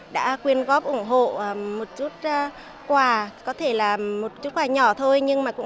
đã quyên góp ủng hộ một chút quà có thể là một chút quà nhỏ thôi